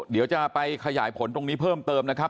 เดี๋ยวจะไปขยายผลตรงนี้เพิ่มเติมนะครับ